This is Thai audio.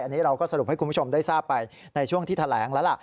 อันนี้เราก็สรุปให้คุณผู้ชมได้ทราบไปในช่วงที่แถลงแล้วล่ะ